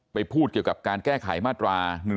พูดเกี่ยวกับการแก้ไขมาตรา๑๑๒